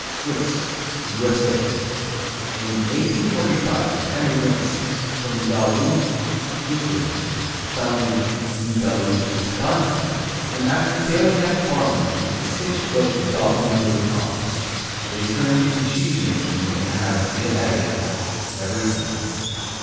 Swiss U.S.A. In 1845 emigrants from Galrus, Switzerland, founded New Galrus, Wisconsin and, after failing at farming due to cinch bugs gobbling their crops, they turned to cheesemaking and have been at it ever since.